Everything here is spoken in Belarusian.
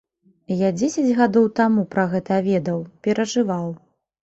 Я дзесяць гадоў таму пра гэта ведаў, перажываў.